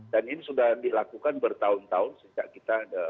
dan ini sudah dilakukan bertahun tahun sejak kita mendapatkan